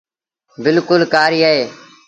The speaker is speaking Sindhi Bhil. بلڪُل ڪآري اهي۔